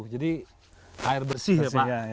jadi air bersih ya pak